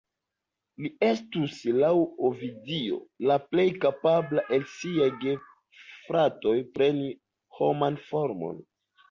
Li estus, laŭ Ovidio, la plej kapabla el siaj gefratoj preni homan formon.